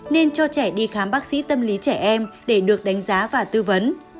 nên cho trẻ đi khám bác sĩ tâm lý trẻ em để được đánh giá và tư vấn